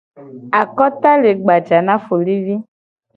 Akota le gbaja na folivi.